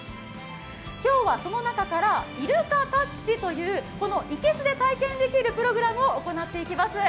今日はその中からイルカタッチというこの生けすで体験できるプログラムを行っていきます。